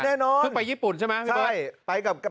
ครึ่งไปญี่ปุ่นใช่มั้นพี่เบิร์ด